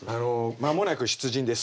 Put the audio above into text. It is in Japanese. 間もなく出陣です。